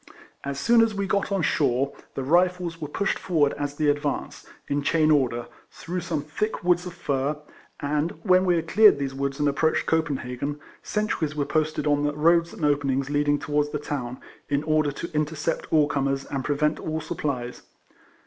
As soon as we got on shore, the Rifles were pushed forward as the advance, in chain order, through some thick woods of fir, and when we had cleared these woods and ap proached Copenhagen, sentries were posted on the roads and openings leading towards the town, in order to intercept all comers, and prevent all supplies.